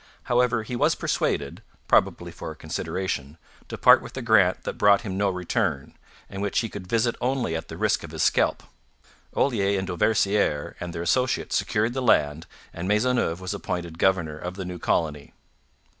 However, he was persuaded, probably for a consideration, to part with a grant that brought him no return, and which he could visit only at the risk of his scalp. Olier and Dauversiere and their associates secured the land, and Maisonneuve was appointed governor of the new colony.